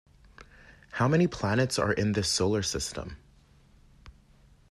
How many planets are in this solar system?